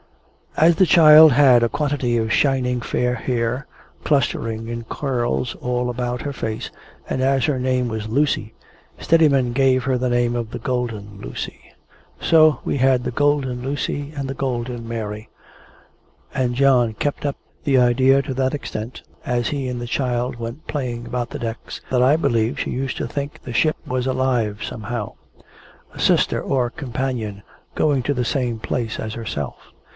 As the child had a quantity of shining fair hair, clustering in curls all about her face, and as her name was Lucy, Steadiman gave her the name of the Golden Lucy. So, we had the Golden Lucy and the Golden Mary; and John kept up the idea to that extent as he and the child went playing about the decks, that I believe she used to think the ship was alive somehow a sister or companion, going to the same place as herself.